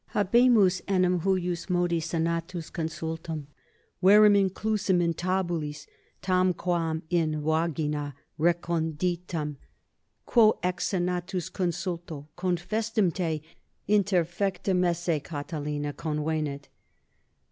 _ Habemus enim huius modi senatus consultum, verum inclusum in tabulis, tamquam in vagina reconditum, quo ex senatus consulto confestim interfectum te esse, Catilina, convenit.